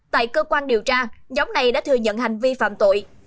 tại cơ quan điều tra nhóm này đã thừa nhận hành vi phạm tội